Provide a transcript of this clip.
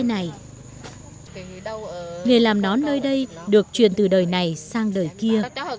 nghề làm nón nơi đây được truyền từ đời này sang đời kia